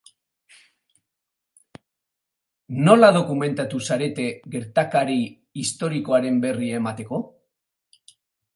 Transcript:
Nola dokumentatu zarete gertakari historikoaren berri emateko?